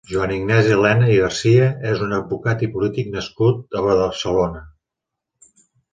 Joan Ignasi Elena i Garcia és un advocat i polític nascut a Barcelona.